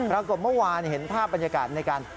ปรากฏเมื่อวานเห็นภาพบรรยากาศในการ